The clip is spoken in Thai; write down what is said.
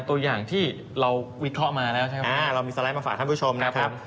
ตัวอย่างที่เราวิเคราะห์มาแล้วเรามีสไลด์มาฝากครับทุกคุณผู้ชม